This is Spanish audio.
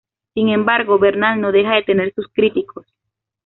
Sin embargo, Bernal no deja de tener sus críticos.